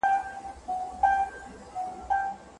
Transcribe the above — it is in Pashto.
لارښود د علمي کارونو په ستاینه کي بخل نه کوي.